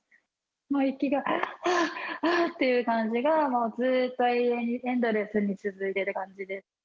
息が、はあはあっていう感じが、もうずっと永遠にエンドレスに続いている感じです。